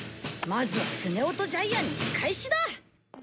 まずはスネ夫とジャイアンに仕返しだ。